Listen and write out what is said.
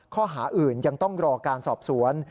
ข้อหาอื่นยังต้องรอการสอบสวน